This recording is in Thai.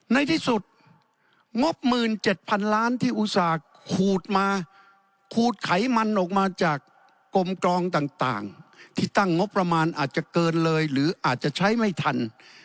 ในที่สุดงบ๑๗๐๐๐ล้านที่อุตส่าห์ขูดมาขูดไขมันออกมาจากกลมกรองต่างที่ตั้งงบประมาณอาจจะเกินเลยหรืออาจจะใช้ไม่ทัน